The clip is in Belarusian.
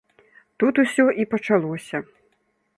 Тут усё і пачалося.